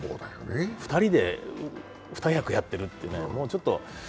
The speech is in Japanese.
１人で２役やってるっていう。